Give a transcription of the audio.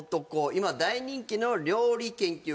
今大人気の料理研究家